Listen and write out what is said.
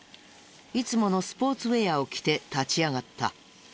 いつものスポーツウェアを着て立ち上がった。